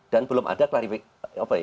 dan belum ada klarifikasi